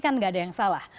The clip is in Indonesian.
kan nggak ada yang salah